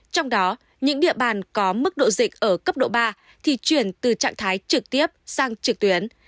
trong đó những địa bàn có mức độ dịch ở cấp độ ba thì chuyển từ trạng thái trực tiếp sang trực tuyến